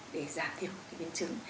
để giảm thiệt biến chứng